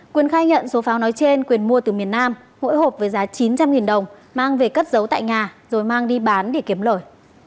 quyền khai nhận số pháo nói trên quyền mua từ miền nam mỗi hộp với giá chín trăm linh đồng mang về cất giấu tại nhà rồi mang đi bán để kiếm lời